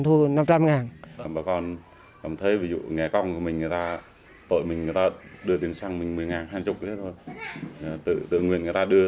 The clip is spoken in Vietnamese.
tự nguyện người ta đưa thôi